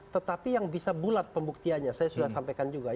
tetapi yang bisa bulat pembuktiannya saya sudah sampaikan juga